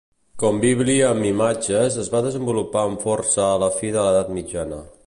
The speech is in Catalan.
Com Bíblia amb imatges es va desenvolupar amb força a la fi de l'edat mitjana.